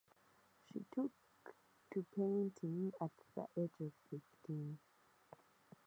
She took to painting at the age of fifteen.